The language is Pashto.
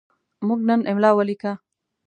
موږ نن املا ولیکه.